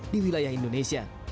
di wilayah indonesia